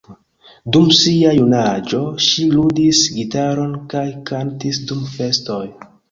Dum sia junaĝo ŝi ludis gitaron kaj kantis dum festoj.